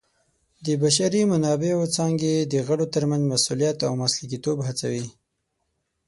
د بشري منابعو څانګې د غړو ترمنځ مسؤلیت او مسلکیتوب هڅوي.